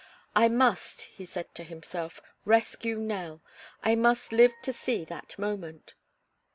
"I must," he said to himself, "rescue Nell. I must live to see that moment."